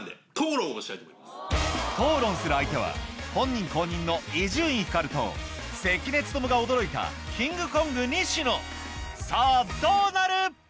討論する相手は本人公認の伊集院光と関根勤が驚いたキングコング・西野さぁどうなる！